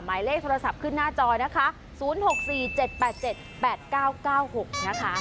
หมายเลขโทรศัพท์ขึ้นหน้าจอนะคะ๐๖๔๗๘๗๘๙๙๖นะคะ